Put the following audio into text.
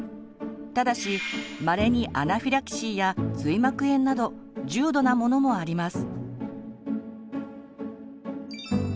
ただしまれにアナフィラキシーや髄膜炎など重度なものもあります。